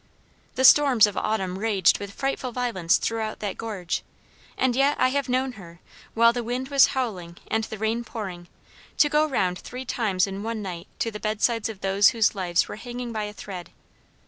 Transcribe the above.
"The storms of autumn raged with frightful violence throughout that gorge, and yet I have known her, while the wind was howling and the rain pouring, to go round three times in one night to the bedsides of those whose lives were hanging by a thread.